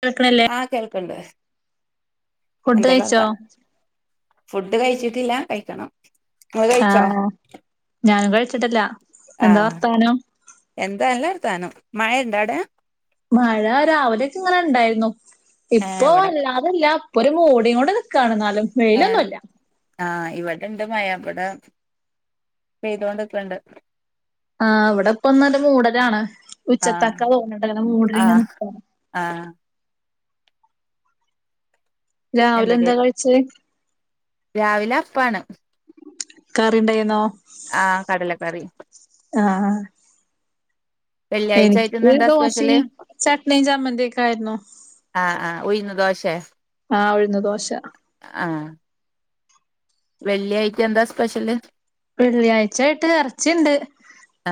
കേൾക്ക്ണ്ല്ലേ? ആ കേൾക്കണ്ട് ഫുഡ് എന്തൊക്കെ കഴിച്ചോ വർത്താനം ഫുഡ് കഴിച്ചിട്ടില്ല കഴിക്കണം നിങ്ങള് കഴിച്ചോ ആഹാ ഞാനും കഴിച്ചിട്ടില്ല എന്താ ആഹ് വർത്താനം? എന്താ നല്ല വർത്താനം മഴെണ്ടാടെ? മഴ രാവിലെച്ചിയിങ്ങനെ ഇണ്ടായിരുന്നു ഏഹ് ഇവിടെ ഇപ്പോല്ലാ ന്നുല്ലാ ഇപ്പൊരു മൂടിങ്ങൊണ്ട് നിക്കാണ്ന്നാലും ഏഹേ ആഹ് ഇവിടെണ്ട് മഴ ഇമ്പടെ പെയ്തോണ്ട്ക്ക്ണ്ട് ആഹാ ഇവടെപ്പന്നല്ല മൂടലാണ് ഉച്ചത്തക്ക ആഹ് തോന്ന്ണ്ട് അങ്ങനെ മൂടില്ങ്ങനെ നിക്കാ ആഹാ എന്തൊക്കെ രാവിലെന്താ കഴിച്ചെ? രാവിലെ അപ്പാണ് കറിണ്ടായിന്നോ? ആഹാ കടലക്കറി ആഹാ വെള്ളിയാഴ്ച ആയിട്ട് ഇന്ന് എനിക്ക് എന്താ സ്പെഷ്യല് ദോശയും ചട്നിയും ചമ്മന്തിയൊക്കെ ആയിരുന്നു ആഹ് ആ് ഉയ്ന്ന് ദോശേ? ആ ഉഴുന്ന് ദോശ ആഹ വെള്ളിയായിട്ടെന്താ സ്പെഷ്യല്? വെള്ളിയാഴ്ച്ചായിട്ട് എറച്ചിണ്ട്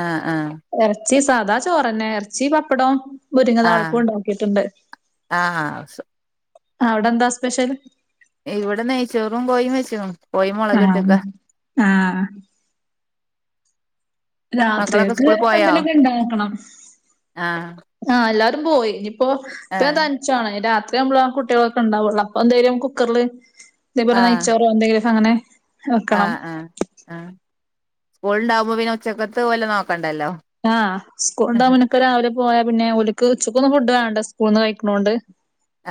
ആഹ് ആഹ് എറച്ചി സാദാ ചോറെന്നെ എറച്ചി, പപ്പടം മുരിങ്ങ താളിപ്പുണ്ടാക്കിയ്ട്ട്ണ്ട് ആഹ് ആഹ് അവിടെന്താ സ്പെഷ്യല് ഇവടെ നെയ്ച്ചോറും കോയിംവെച്ചിക്ണു കോഴി മൊളക് ആഹ് ട്ടെക്കാ ആഹ് മക്കളൊക്കെ രാത്രിയെക്ക് സ്കൂള് പോയോ എന്തെലൊക്കെണ്ടാക്കണം ആഹ് ആഹ് എല്ലാരും പോയി ഇഞ്ഞ്പ്പൊ ഇപ്പൊ ഞാൻ ആഹ് തന് ച്ചാണ് രാത്രിയാവുമ്പളാ കുട്ടികളൊക്കെണ്ടാവൊള്ളൂ അപ്പൊന്തേലും കുക്കറില് ഇതേ പോലെ നെയ്ച്ചോറോ, എന്തെങ്കിലൊക്കങ്ങനെ ആഹ ആ ആ് സ്കൂള്ണ്ടാവുമ്പോ പിന്നെ ഉച്ചക്കത്ത് ഓലെ നോക്കണ്ടല്ലോ ആഹ് സ്കൂളുണ്ടാവുമ്പോ ആഹ് പിന്നെ ഒക്കെ രാവിലെ പോയാ പിന്നെ ഓല്ക്ക് ഉച്ചക്കൊന്നും ഫുഡ് വേണ്ട സ്കൂൾന്ന് കഴിക്ക്ണോണ്ട്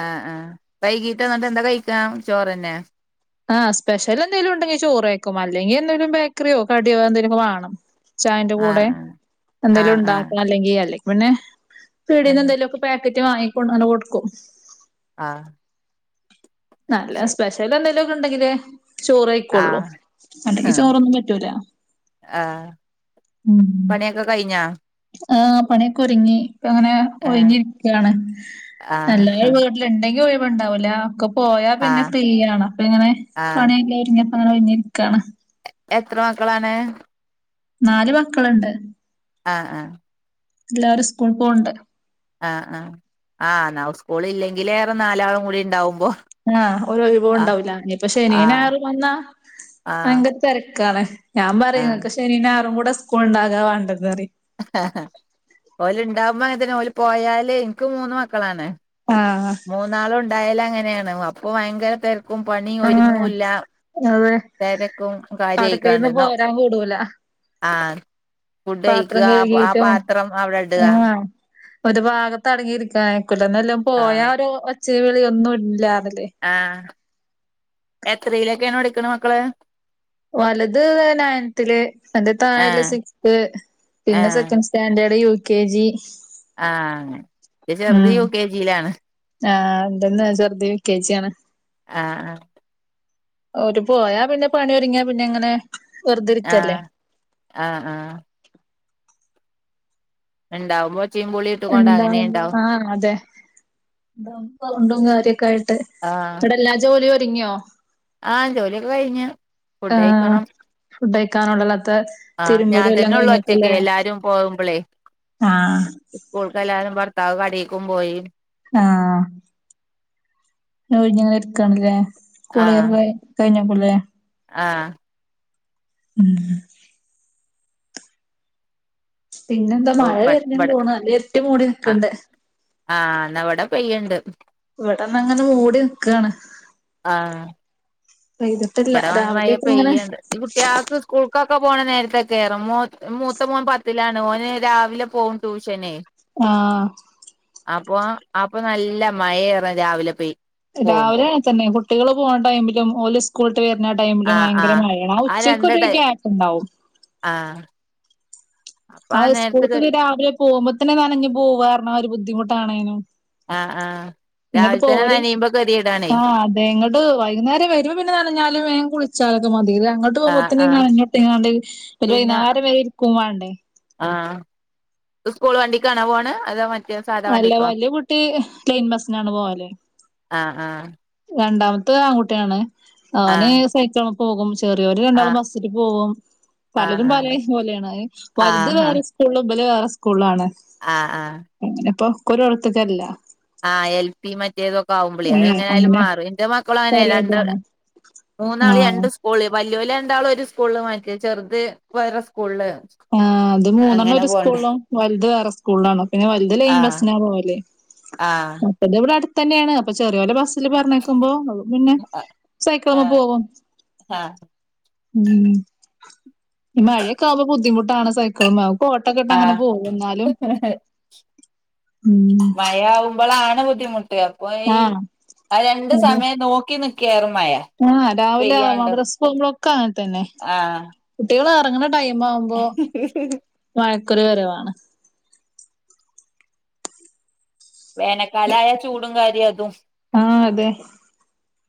ആഹ് ആ് വൈകീട്ട് വന്നിട്ടെന്താ കഴിക്കാ ചോറെന്നെ? ആഹ് സ്പെ്ഷലെന്തേലുണ്ടെങ്കി ചോറ് കയിക്കും അല്ലെങ്കി എന്തേലും ബേക്കറിയോ, കടിയോ എന്തേലൊക്കെ വാണം ചായന്റെ കൂടെ ആഹ് ആഹ് ആഹ് എന്തെലുണ്ടാക്കണം അല്ലെങ്കി അല്ലെങ്കിപിന്നെ പിടേന്ന് ആഹ് എന്തെലൊക്ക പേക്കറ്റ് വാങ്ങിക്കൊണ്ടന്നാണ്ട് കൊടുക്കും ആഹ് അത് നല്ല ശരി സ്പെഷ ലന്തെങ്കിലുക്കെണ്ടങ്കില് ചോറയ്കൊള്ളൂ ആഹ് അല്ലെങ്കി ചോറൊന്നും പറ്റൂല ആഹാ പണിയൊക്കെ കഴിഞ്ഞൊ? ആഹാ പണിയൊക്കെ ഒരുങ്ങി ഇപ്പങ്ങെനെ ഏഹ് ഒഴിഞ്ഞിരിക്കാണ് [unintelligible] ആഹ് എല്ലണ്ടെങ്കി ഒഴുവ്ണ്ടാവുല ഒക്കെ പോയാ പിന്നെ ആഹ് ഫ്രീയാണ് അപ്പങ്ങനെ പണിയെ ല്ലാം ഒരുങ്ങിയപ്പൊ അങ്ങനെ ഒഴിഞ്ഞിരിക്കാണ് എ എത്രെ മക്കളാണ്? നാല് മക്കള്ണ്ട് ആഹ ആഹ എല്ലാരും സ്കൂളിൽപോണണ്ട്. ആഹ് ആ ആഹ് നാ സ്കൂള് ഇല്ലെങ്കില് ഏറെ നാലാളും കൂടി ഉണ്ടാവുമ്പോ ആഹ് ഒരു ഒഴിവും ആഹ് ഉണ്ടാവൂല്ല ഇനി പശേ ശനിയും ആഹ് ഞായറും വന്നാ ആഹ് ഭയങ്കര തിരക്കാണ്. ഞാൻ പറയും ആഹ് നിങ്ങക്ക് ശനീയും ഞായറും കൂടെ സ്കൂള് ഉണ്ടാകാവേണ്ടത്റയും ഓലുണ്ടാവുമ്പോ അങ്ങനെ തന്നെ ഓല് പോയാല് എനിക്കും മൂന്ന് മക്കളാണെ ആഹ് മൂന്നാളും ഉണ്ടായല് അങ്ങനെയാണ് അപ്പൊ ഭയങ്കര തിരക്കും പണിയും ആഹ് ഒരുങ്ങൂല്ല അതെ തിരക്കും അടുക്കളേന്ന് കാര്യയിക്കാണ്ടന്നോ പോരാൻ കൂടൂല ആഹ ഫുഡ് പാത്രം കഴിക്കുക ആ കഴുകിയിട്ടും പാത്രം അവിടെ ഇട ആഹ് ഒരു ഭാഗത്ത്ടങ്ങിയിരിക്കക്കൂല്ല എന്ന എല്ലാം പോയാ ആഹ് ഒരു ഒച്ച വിളിയൊന്നും ഇല്ലാന്നല് ആ എത്രയിലൊക്കെയാണ് എടിക്കണ മക്കള് വലത് നയനത്തില്ൽ എന്റെ താഴല് ആഹ് സിക്സ് പിന്നെ ആഹ് second standard U K G ആ ചെറുത് ഉം യു കെ ജിയിലാണ്. ആഹ് എന്തന്ന് ചെറുത് യുകെജി ആണ് ആഹ ആ ഒരു പോയാ പിന്നെ പണിയോരു ങ്ങിയാ പിന്നെ എങ്ങനെ ആഹ് ആ ആ ഉണ്ടാവുമ്പോ ഒചിമ്പുലിം എണ്ടാവുമ്പ ആഹ അതെണ്ടും കാര്യൊക്കെ ആയിട്ട് ഇവിടെ എല്ലാ ജോലിയും ഒരുങ്ങിയോ ആഹ ജോലിയൊക്കെ കഴിഞ്ഞഞ് ഫുഡ കഴക്കണം. ഫുഡ്ക്കാനുള്ളല്ലാത്ത ഞാൻ തിരുമ്പലും എല്ലാം തന്നെ ഉള്ളു ഒറ്റക്ക് കഴഞ്ഞക്കല്ലേ എല്ലാരും പോകുമ്പളേ ആഹ് സ്കൂൾക്ക് എല്ലാവരും ഭർത്താവ് കടക്കും പോയി ആഹ ഒഴിഞ്ഞങ്ങ എടുക്കണല്ലേ ആഹ് കുളിയക്കെ കഴിഞ്ഞക്കൂല്ലേ ആഹ് ഉം പിന്നെ എന്താ ഇപ്പൊ മഴ ഇബടെ വരുന്ന ഇബടെ തോണു നല്ല ഇരിട്ട് മൂടി നക്കണ്ടണ്ട് ആഹ് എന്നാ ഇവിടെ പെയ്യ്ണ്ട് ഇവിടന്ന് അങ്ങനെ മൂടി നക്ക്കാണ് ആഹ് ഇവിടെ മയ രാവിലെയൊക്കെ ഇങ്ങനെ പെയ്യുണ്ട് ഈ കുട്ടികൾക്ക് സ്കൂൾക്കൊക്കെ പോകണ നേരത്തെ കയറ മൂ മൂത്ത മൂന്ന് പത്ത് ണ് ഓന് രാവിലെ പോകും ട്യൂഷന ആഹ അപ്പൊ അപ്പൊ നല്ല മഴയേറ രാവിലെ പോയി രാവിലെ ആണ തന്നെ കുട്ടികള് പോകേണ്ട ടൈംമിലും ഓല സ്കൂളട്ട് വരുന്ന ടൈമില് ആഹ് ഭയങ്കര ആഹ് മഴയാണ് ഉച്ചക്ക് ഒരു ഗ്യാപ്പ ഉണ്ടാവും ആഹ ആ സ്കൂള രാവിലെ പോകുമ്പോത്തന്നെ നാന പോവാരണ ഒരു ബുദ്ധിമുട്ടാണേനും. ആ് ആഹ് രാവിലെ തന്നെ നനിയുമ്പോ കെറിടണേ അതെഞങ്ങട്ട വൈകുന്നേരം വരുവോ പിന്നെ നനഞ്ഞാലും വേം കുളിച്ചാലൊക്കെ മതി ഞ ആഹ് പൂകൊമ്പോത്തിന് ആഹ് നനഞൊട്ടിക്കണ്ടു ഒരു വൈകേര വേര് ഇരിക്ക പോ വണ്ടേ ആഹ സ്കൂൾ വണ്ടി ആണോ പോണ അതാ മറ്റ അല്ല വല്യ കൂട്ടി ലൈൻ ബസിനാണ് പോവാലെ ആഹ ആഹ രണ്ടാമത്തെ ആൺകുട്ടിയാണ് അവന് ആഹ് സൈക്കള പോകും ചെറിയവര് രണ്ടാളും ആഹ് ബസ്സിൽ പോകും പലരും ആഹ് പല ആഹ് പോലെയാണ് വലുത് ആഹാ വേറെ [unintelligible] ബൽ വേറെ സ്കൂളിൽ ആണോ ആഹ് ആഹ് അങ്ങനെ ഒക്കെ, ഒക്കെ ഓരോട് ത്തക്കല്ല ആഹ്, എൽ പി മറ്റേതൊക്കെ ആവു മ്പളെയ്, ഏഹ് എങ്ങനായാലും അങ്ങനെ മാറും എന്റെ മക്കള അങ്ങനെ രണ്ട്, പലേതാണ് മൂന്നാളി ആഹ് രണ്ട് സ് സ്കൂള് വല്യോൽ രണ്ടാളും ഒരു സ്കൂളിൽ മാരിക്ക, ചെറുത് വേറെ സ്കൂളില് ആഹ് അത് മൂന്നെണ്ണം അങ്ങനെ ഒരു പോണ്ട് സ്കൂളിലും, വലുത് വേറെ സ്കൂളിലാണ്, പിന്നെ വലുത് ലൈൻ ആഹ് ബസ്സിനാ പോവല് ആഹ് അപ്പത് ഇവിടെ അടുത്ത തന്നെയാണ്, അപ്പ ചെറിയോന്റെ ബസിൽ പറഞ്ഞക്കും ക്കുമ്പോ അപ്പൊ പിന്നെ സൈക്കളുമ ആഹ് പോകും. ആഹ് ഉം മഴയൊക്കെ ആവുമ്പോ ബുദ്ധിമുട്ടാണ് സൈക്കളുമ്മേ കോട്ടൊക്കെ ഇട്ട് അങ്ങനെ ആഹ് പോവും. എന്നാലും മഴ ആവുമ്പോളാണ് ബുദ്ധിമുട്ട്. അപ്പൊ ഈ ആഹ് ആ രണ്ട് അതെ സമയം നോക്കി നിക്കാൻ മഴ ആഹ്, രാവിലെ പെയ്യാണ്ട് മദ്രസ പോകുമ്പോളൊക്കെ അങ്ങനെതന്നെ. ആഹ് കുട്ടികള് ഇറങ്ങണ ടൈം ആവുമ്പോ മഴക്കൊര് വരവാണ്. വേനൽക്കാലായ ചൂടും കാര്യം അതും. ആഹ് അതെ.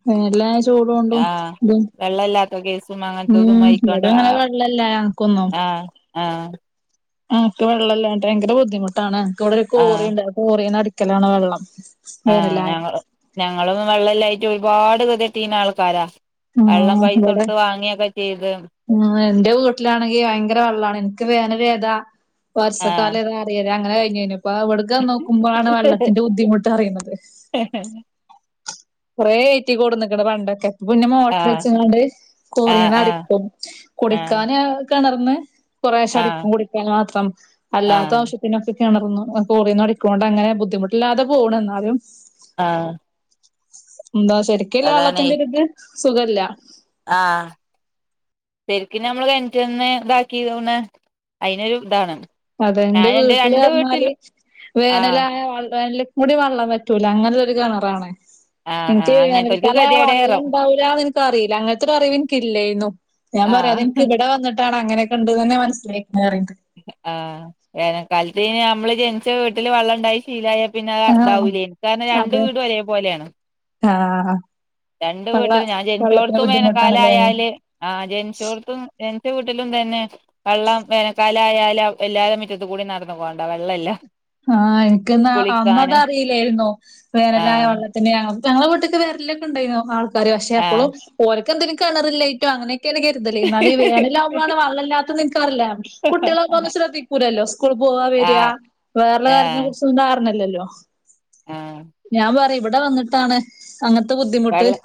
വേനലായ ചൂടുകൊണ്ടും ആഹ് ഇതും വെള്ളല്ലാത്ത കേസും അങ്ങനത്തതും ഉം ഇവിടെ ആയിക്കാണ്ട് അങ്ങനെ ആഹ് വെള്ളല്ലാ ഞങ്ങക്കൊന്നും. ആഹ് ആഹ് ഇപ്പ വെള്ളം ഇല്ലാഞ്ഞിട്ട് ഭയങ്കര ബുദ്ധിമുട്ടാണ്. എനക്ക് ഇവിടെ ഒരു ആഹ് കോറിയുണ്ട്. ആ കോറീന്നടിക്കൽ വെള്ളം. ആഹ് വേനലായ ഞങ്ങളും, ഞങ്ങളും വെള്ളല്ലായിട്ട് ഒരുപാട് ഗതികെട്ടീന ആൾക്കാരാ. വെള്ളം ആഹ് പൈസ ഇവിടെ കൊടുത്ത് വാങ്ങിയൊക്കെ ചെയ്ത്. ഉം എന്റെ വീട്ടിലാണെങ്കിൽ ഭയങ്കര വെള്ളാണ്. എനിക്ക് വേനൽ ഏതാ ആഹ് വർഷക്കാലം ഏതാ വെയില് അങ്ങനെ കഴിഞ്ഞേനു. ഇപ്പ ഇവിടക്കു വന്നുനോക്കുമ്പോളാണ് വെള്ളത്തിന്റെ ബുദ്ധിമുട്ട് അറിയുന്നത്. കുറേ ഏറ്റി കൊടുന്ന്ക്കണ് പണ്ടൊക്കെ. പിന്നെ മോട്ടോർ ആഹ് വെച്ചുകൊണ്ട് കോറീന്ന് ആഹ് ആഹ് അടിക്കും. ആഹ് കുടിക്കാന് കിണർന്ന് ആഹ് കുറേശടിക്കും കുടിക്കാൻ മാത്രം അല്ലാത്ത ആഹ് ആവശ്യം പിന്നൊക്കെ കിണറീന്നു കോറീന്നു അടിക്കണോണ്ട് അങ്ങനെ ബുദ്ധിമുട്ടില്ലാതെ പോണ് എന്നാലും ആഹ് എന്താ ശരിക്കൊള്ള അതാണേ വെള്ളത്തിന്റെ ഒരു ഇത് സുഖല്ല ആഹ് ശെരിക്കിന് നമ്മള് കെണറ്റിന്ന് ഇതാക്കി ഒന്ന് അതിനൊരു ഇതാണ്. അതെന്റെ ഞാനെന്റെ വീട്ടില് രണ്ട് പറഞ്ഞാല് വീട്ടിലും ആഹ് വേനലായ [unintelligible] മുടി വള്ളം വറ്റൂല അങ്ങനെ ഒരു കിണറാണ്. ആഹ് എനിക്ക് ആഹ് അങ്ങനത്തോൽക്ക് വേനൽക്കാലായ വള്ളം ഗതികേടേറും ഉണ്ടാവൂലാന്ന് എനിക്ക് അറിയില്ല. അങ്ങനത്തൊരു അറിവ് എനിക്കില്ലേനു ഞാൻ പറയാ ആഹ് അതെനക്ക് ഇവിടെ വന്നിട്ടാണ് അങ്ങനൊക്ക ഉണ്ടന്ന് തന്നെ മനസ്സിലായേക്കണെ പറയണ്ട്. ആഹ് വേനൽക്കാലത്ത് ഞമ്മള് ജനിച്ച വീട്ടില് വെള്ളം ഉണ്ടായി ശീലായ പിന്നെ ആഹ് ഇതാവൂലേന് കാരണം രണ്ടു അതെ വീടും ഒരേ പോലെയാണ്. ആഹ് ആ രണ്ട് വീട്ടില് ഞാൻ ജനിച്ചോടത്തും ബുദ്ധിമുട്ടാണല്ലേ. വേനൽക്കാലായാല് ആ ജനിച്ചോടത്തും എന്റെ വീട്ടിലും ഇതന്നെ വെള്ളം വേനൽക്കാലം ആയാല് എല്ലാവരും മുറ്റത്തു കൂടി നടന്നു പോണ്ട. വെള്ളം ഇല്ല. ആഹ് എനിക്കന്ന അന്നത് അറിയില്ലായിരുന്നു വേനലായ ആഹ് വെള്ള പിന്നെ ഞ, ഞങ്ങള വീട്ടക്ക് വരലൊക്കെ ഉണ്ടായിരുന്നു ആൾക്കാര്. പക്ഷെ അപ്പോളും ആഹ് ഓര്ക്കെന്തേലും കിണറില്ലാഞ്ഞിട്ടോ അങ്ങനെയൊക്കെണ് കരുതല്. എന്നാല് വേനാലാവുമ്പളാണ് വെള്ളം ഇല്ലാത്തേന്ന് എനിക്കറില്ല. കുട്ടികളൊക്ക ഒന്നും ശ്രദ്ധിക്കൂല്ലല്ലോ. സ്കൂൾ പോവാ വരാ. ആഹ് വേറെയൊള്ള കാര്യത്തിനെ ആഹ് കുറിച്ചൊന്നും ധാരണയില്ലല്ലോ. ആഹ് ഞാൻ പറയും ഇവിടെ വന്നിട്ടാണ് അങ്ങനത്തെ ബുദ്ധിമുട്ട് വെള്ളം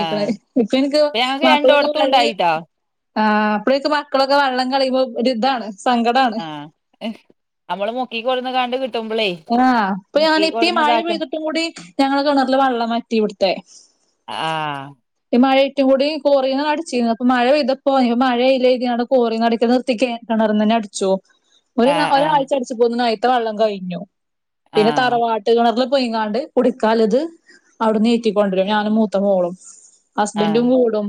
ആഹ് ഇപ്പ എനിക്ക് ഞങ്ങക്ക് രണ്ടോടത്തും മക്കളൊക്കെ ഉണ്ടായിട്ടോ [unintelligible] ആഹ് അപ്പളൊക്കെ മക്കളൊക്കെ വെള്ളം കളിയുമ്പോ ഒരിതാണ്. സങ്കടാ ആഹ് നമ്മള് മുക്കി കൊട്ന്ന്കാണ്ട് കിട്ടുമ്പളേ ആഹ് ഇപ്പ ഞാന് മുക്കി ഇപ്പീ കൊടുന്ന് മഴ ഇതാക്ക പെയ്തിട്ടുകൂടി ഞങ്ങടെ കിണറിലെ വെള്ളം വറ്റി ഇവിടുത്തെ. ആഹ് ഈ മഴായ്റ്റുകൂടി കോറീന്ന് അടിച്ചിരുന്നുപ്പൊ മഴ പെയ്തപ്പോ ഇപ്പ മഴയില്ലേര്തിക്കാണ്ട് കോറീന്നടിക്ക്ണത് നിർത്തിക്കെ കെണർനന്നെ അടിച്ചോ. [inaudible] ഒരു ആഹ് ഒരാഴ്ച അടിച്ചപോത്തിനൈത്തെ വെള്ളം കഴിഞ്ഞു പിന്നെ ആഹ് തറവാട് ട്ട് കെണർല് പൊയിങ്ങാണ്ട് കുടിക്കാലത് അവിട്നേറ്റിക്കൊണ്ടുവരും ഞാനും മൂത്ത മോളും ഹസ്ബന്റും ആഹ് കൂടും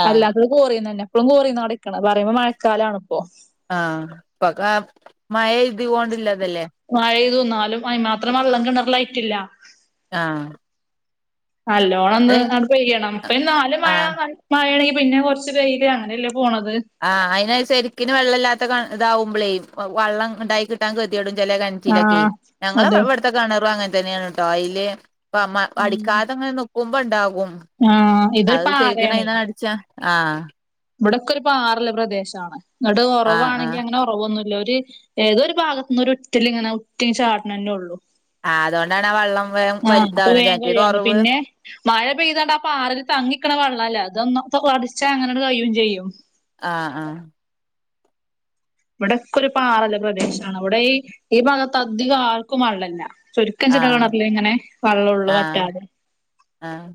ആഹ് അല്ലാത്തത് കോറിന്നന്നെ പ്പളും കോറിന്നാ അടിക്കണത് പറയുമ്പോ മഴക്കാലാണ്പ്പോ ആഹ് പക മഴ ഇത് കൊണ്ടില്ലതല്ലേ മഴതിന്നാലും അതിന് മാത്രം വെള്ളം കിണറിലായിട്ടില്ല ആഹ് നല്ലോണൊന്ന് അത് ആണ്ട് പെയ്യണം ഇപ്പൊ നാല് മഴ ആഹ് മഴേണെങ്കിൽ പിന്നെ കൊർച്ച് വയ്യില് അങ്ങനെയല്ലേ പോണത് ആഹ് അയിന് ശരിക്കിന് വെള്ളം ഇല്ലാത്ത ഇതാവുമ്പോളേയ് വള്ളംണ്ടായികി ട്ടാൻ കെതിയെടും ചെലേ കെൻറ്റിലൊക്കേയ് ആഹ് അതെ. ഞങ്ങളെവിട്ത്തെ കെണറും അങ്ങൻതന്നേണ് ട്ടോ അയ്ല് [unintelligible] അമ്മ ഉം അടിക്കാതങ്ങനെ നിക്കുമ്പോണ്ടാകും ആ ഇതൊരു അത് ചെയ്ത് ന്നയ്ഞാ അടി ച്ചഹ് ആഹ് ഇബടൊക്കെ ഒരു പാറള്ള പ്രദേശാണ് ഇങ്ങട് ആഹ് ആഹ് ഒറവാണെങ്കിൽ അങ്ങനെ ഒറ പോവൊന്നുല്ല ഒരു ഏതൊരു ഭാഗത്ത് നിന്ന് ഒരു ഉറ്റലിങ്ങനെ ഉറ്റിചാട്നന്നെഉള്ളൂ ആ അതോണ്ടാണ് ആ വള്ളം വേ അപ്പൊ വലിതാവണത് ചെയ്ത് വേഗം കഴിയാണ്. മറ്റേതൊറവ് പിന്നെ മഴ പെയ്താണ്ട് ആ പാറൽ തങ്ങിക്ക്ണ വള്ളല്ലേ അതൊന്നും പൊ അടിച്ച അങ്ങനൊരു കയ്യും ചെയ്യും ആഹ് ആഹ് ഇവടൊക്കെരു പാറള്ള പ്രദേശാണ് ഇവിടെ ഈ ഈ ഭാഗത്ത് അധികം ആർക്കും വള്ളല്ല്യ ചുരുക്കം ചെല ആഹ് കെണറില് ഇങ്ങനെ വെള്ളൊള്ളൂ ആഹ് വറ്റാതെ ആഹ്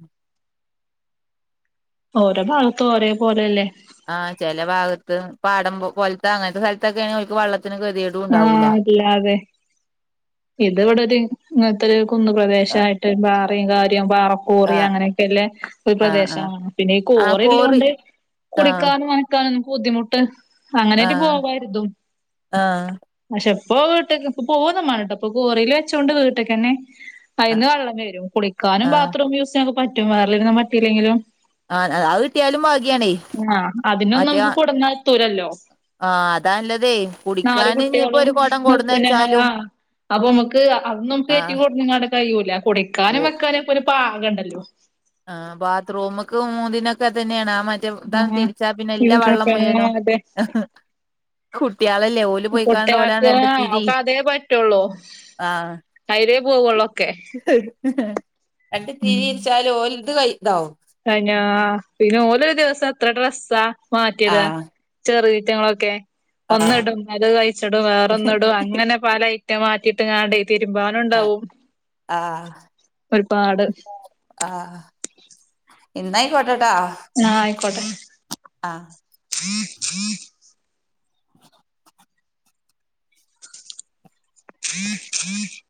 ഓരോ ഭാഗത്ത് ഒരേ പോലല്ലേ ആഹ് ചെലേ ഭാഗത്ത് പാടം പോൽത്തെ അങ്ങൻത്തെ സ്ഥലത്തൊക്കേണേ വെള്ളത്തിന് ഗതികേടുമുണ്ടാവൂല്ല ഇല്ലാവേ ഇത് ഇവിടെ ഒരു ഇങ്ങൻത്തെ ഒരു കുന്ന് ആഹ് പ്രദേശായിട്ട് ബാറയും കാര്യവും പാറ കോറി ആഹ് അങ്ങനെയൊക്കെല്ല ഒരു ആഹ് ആഹ് പ്രദേശമാണ് പിന്നെ ഈ ആഹ് കോറിള്ള കോറി കൊണ്ട് ആഹ് കുടിക്കാനും കുടിക്കാനൊന്നും ബുദ്ധിമുട്ട് അങ്ങനേയിട്ട് ആഹ് പോവാര്തും ആഹ് പക്ഷേ ഇപ്പോ വീട്ട്ക്ക് ഇപ്പോ പോകൊന്നുംമാണ്ടട്ടൊ ഇപ്പൊ കോറീല് വെച്ചോണ്ട് വീട്ട്ക്കെന്നെ അയ്ന്ന് വെള്ളംവരും കുളിക്കാനും ആഹ് ബാത്റൂം യൂസ് ചെയ്യാനൊക്കെ പറ്റും വേറെള്ളീനൊന്നും പറ്റയില്ലെങ്കിലും ആഹ് ആഹ് അത് കിട്ടിയാലും ഭാഗ്യാണേ ആഹ് അതിനൊന്നും മറ്റേ നമുക്ക് കൊട്ന്നാത്തൂരല്ലോ ആഹ് അതാല്ലതെയ് നാല് കുട്ടികളും മുപ്പനങ്ങള ആ അപ്പൊ നമുക്ക് അത് നമുക്ക് ഏറ്റി ആഹ് കൊട്ന്ന്ങ്ങാണ്ട് കഴിയൂല കുടിക്കാനും ഓ വെക്കാനൊക്കെ ഒരു പാകണ്ടല്ലോ ആഹ് ബാത്റൂമ്ക്കും മൂന്തിനൊക്കെ തന്നെയാണ് ആ മറ്റ് റ്റേ താണ്ട് തിരിച്ചാ പിന്നെ എല്ലാ ഉം വെള്ളം പ്രസവം മുയുവനും അതെ കുട്ട്യാളല്ലേ ഓല് പോയിക്കാണ്ട് ഓലാണ്ട് കുട്ട്യാൾക്ക് രണ്ടുത്തിരി ഒക്കെ ആഹ് കൈരെയേ പോവുള്ളോ രണ്ട് തിരിരിച്ചാല് ഓൽത് കയ് താവും കൈഞ്ഞാ പിന്നെ ഓലൊരു ദിവസം എത്ര ഡ്രസ്സാ മാറ്റിയത് ആഹ് ചെറീറ്റങ്ങളൊക്കെ ആഹ് ഒന്നിടും അത് കഴിച്ച്ടും വേറൊന്ന് ഇടും അങ്ങനെ പല ഐറ്റം മാറ്റിയിട്ട് കാണ്ടെ തിര്മ്പാനുണ്ടാവും ആഹ് ഒരുപാട് ആഹ് ഇന്നായികോട്ടെട്ടോ ആഹ് അയ്ക്കോട്ടെ ആഹ് [unintelligible] [inaudible]